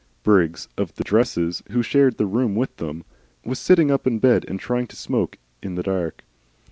Briggs of the "dresses," who shared the room with him, was sitting up in bed and trying to smoke in the dark.